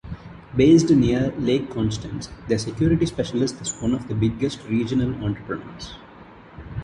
Based near Lake Constance, the security specialist is one of the biggest regional entrepreneurs.